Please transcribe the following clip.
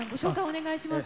お願いします。